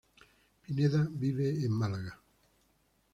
Pineda vive en Málaga.